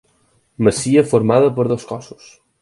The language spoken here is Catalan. Masia formada per dos cossos.